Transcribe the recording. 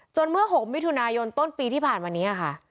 เมื่อ๖มิถุนายนต้นปีที่ผ่านมานี้ค่ะ